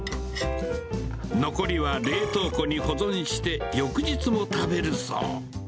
残りは冷凍庫に保存して、翌日も食べるそう。